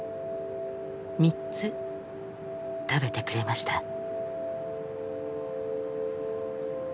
３つ食べてくれました。